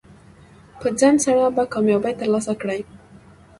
په ځنډ سره به کامیابي ترلاسه کړئ.